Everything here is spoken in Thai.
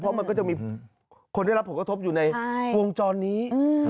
เพราะมันก็จะมีคนได้รับผลกระทบอยู่ในวงจรนี้